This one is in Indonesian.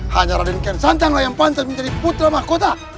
hanya raden kian santanglah yang pantas menjadi putra mahkota